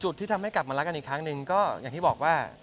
ที่ทำให้กลับมารักกันอีกครั้งหนึ่งก็อย่างที่บอกว่า